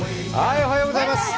おはようございます。